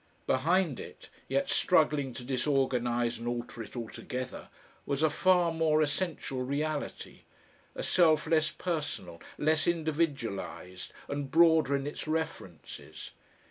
Behind it, yet struggling to disorganise and alter it, altogether, was a far more essential reality, a self less personal, less individualised, and broader in its references.